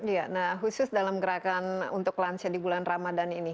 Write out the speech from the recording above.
iya nah khusus dalam gerakan untuk lansia di bulan ramadan ini